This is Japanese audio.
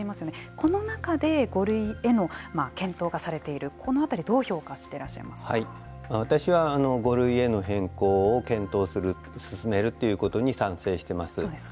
この中で５類への検討がされている私は５類への変更を検討する進めるということに賛成しています。